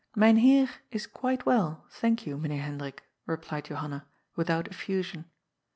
Mynheer is quite well, thank you, Meneer Hendrik," replied Johanna, without effusion.